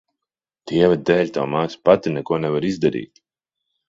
Dieva dēļ, tava māsa pati neko nevar izdarīt.